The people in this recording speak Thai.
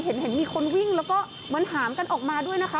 เห็นมีคนวิ่งแล้วก็เหมือนหามกันออกมาด้วยนะคะ